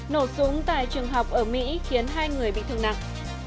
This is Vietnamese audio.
nổ súng tại trường học ở mỹ khiến hai người bị thương nặng